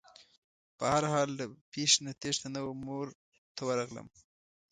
په هر حال له پېښې نه تېښته نه وه مور ته ورغلم.